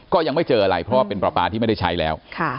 ก็ยังไม่เจออะไรเพราะว่าเป็นปลาปลาที่ไม่ได้ใช้แล้ว